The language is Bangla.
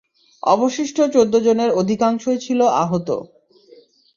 অবশিষ্ট চৌদ্দজনের অধিকাংশই ছিল আহত।